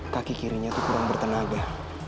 kaki kirinya itu kurang bertenaga